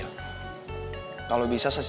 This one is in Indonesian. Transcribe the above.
kalau bisa secepatnya lo minta maaf sama ian